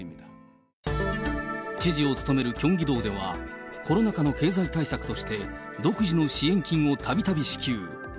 知事を務めるキョンギ道では、コロナ禍の経済対策として、独自の支援金をたびたび支給。